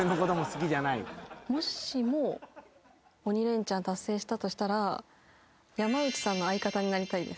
鬼レンチャン達成したとしたら山内さんの相方になりたいです。